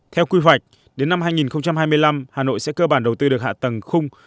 theo quy hoạch đến năm hai nghìn hai mươi năm hà nội sẽ cơ bản đầu tư được hạ tầng khung